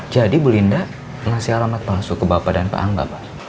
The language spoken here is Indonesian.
jadi bu linda ngasih alamat palsu ke bapak dan pak angga